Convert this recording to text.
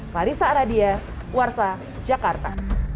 clarissa aradia warsa jakarta